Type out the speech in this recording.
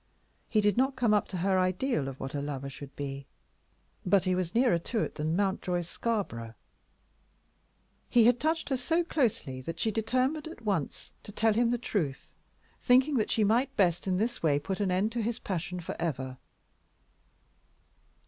He did not come up to her ideal of what a lover should be, but he was nearer to it than Mountjoy Scarborough. He had touched her so closely that she determined at once to tell him the truth, thinking that she might best in this way put an end to his passion forever.